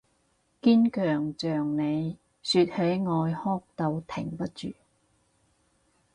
堅強像你，說起愛哭到停不住